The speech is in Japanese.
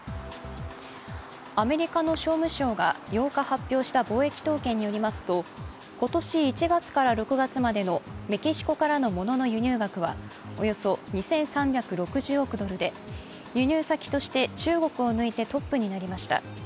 アメリカの商務省が８日発表した貿易統計によりますと、今年１月から６月までのメキシコからのものの輸入額はおよそ２３６０億ドルで、輸入先として中国を抜いてトップになりました。